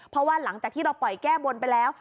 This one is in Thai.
เพราะว่าหลังจากที่เราปล่อยแก้บนไปแล้ว